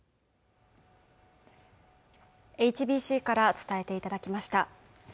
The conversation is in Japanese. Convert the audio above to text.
ＨＢＣから伝えていただきました。